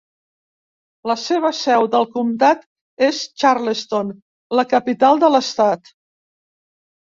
La seva seu del comtat és Charleston, la capital de l'estat.